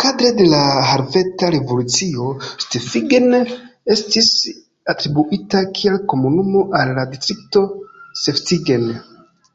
Kadre de la Helveta Revolucio Seftigen estis atribuita kiel komunumo al la distrikto Seftigen.